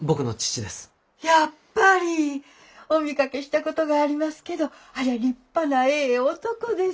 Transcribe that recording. やっぱり！お見かけしたことがありますけどありゃあ立派なええ男です。